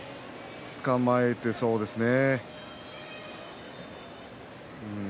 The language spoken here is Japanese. つかまえてそうですね。